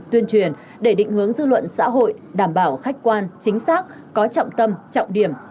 tuyên truyền để định hướng dư luận xã hội đảm bảo khách quan chính xác có trọng tâm trọng điểm